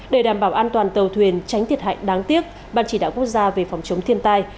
để đảm bảo an toàn tàu thuyền tránh thiệt hại đáng tiếc ban chỉ đạo quốc gia về phòng chống thiên tai